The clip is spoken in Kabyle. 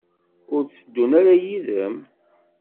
Ur tteddun ara yid-m?